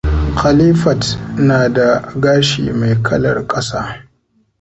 Khalifat na da gashi mai kalar ƙasa.